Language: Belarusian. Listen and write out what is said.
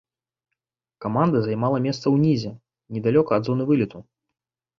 Каманда займала месца ўнізе, недалёка ад зоны вылету.